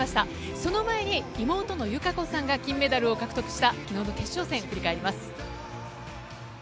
その前に妹の友香子さんが金メダルを獲得したきのうの決勝戦、振り返ります。